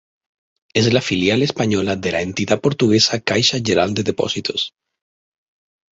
Es la filial española de la entidad portuguesa Caixa Geral de Depósitos.